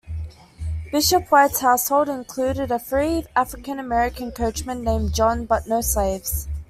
Bishop White's household included a free African American coachman, named John, but no slaves.